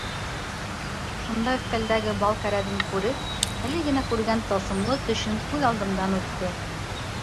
Шунда өҫтәлдәге бал кәрәҙен күреп әле генә күргән тылсымлы төшөм күҙ алдымдан үтте.